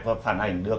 và phản ảnh được